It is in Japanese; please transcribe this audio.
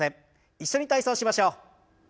一緒に体操しましょう。